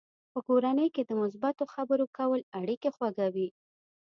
په کورنۍ کې د مثبتو خبرو کول اړیکې خوږوي.